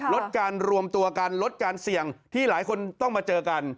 ลดการรวมตัวกันลดการเสี่ยงที่หลายคนต้องมาเจอกัน